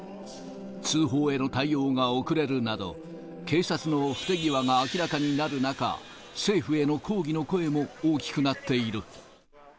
通報への対応が遅れるなど、警察の不手際が明らかになる中、政府への抗議の声も大きくなっている。